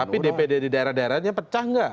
tapi dpd di daerah daerahnya pecah nggak